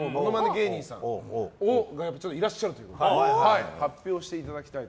芸人さんがいらっしゃるということで発表していただきたいなと。